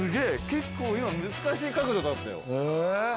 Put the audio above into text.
結構今、難しい角度だったよ。